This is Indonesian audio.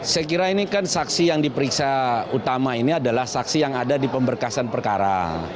saya kira ini kan saksi yang diperiksa utama ini adalah saksi yang ada di pemberkasan perkara